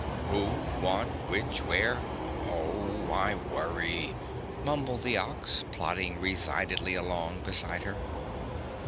"Who, what, which, where, oh why worry?" mumbled the Ox, plodding resignedly along beside her.